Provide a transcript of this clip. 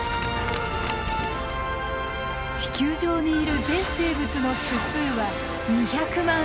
地球上にいる全生物の種数は２００万余り。